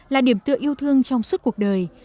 là điểm tựa yêu thương trong suốt cuộc đời